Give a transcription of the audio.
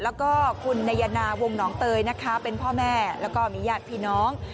แล้วก็คุณนายนาวงหนองเตยนะคะเป็นพ่อแม่แล้วก็มีญาติพี่น้อง